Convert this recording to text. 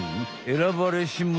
「選ばれし虫」？